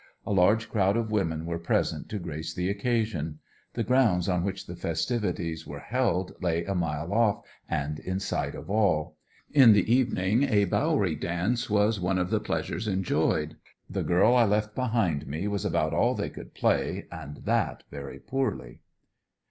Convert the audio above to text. A large crowd of women were present to grace the occasion. The grounds on which the festivities were held lay a mile off and in sight of all. In the evening a Bowery dance was one of the pleasures enjoyed. "The Girl I Left Behind Me," was about all they could play, and that very poorly.